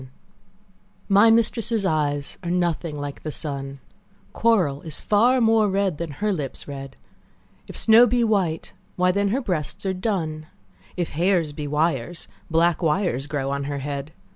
CXXX My mistress' eyes are nothing like the sun; Coral is far more red, than her lips red: If snow be white, why then her breasts are dun; If hairs be wires, black wires grow on her head.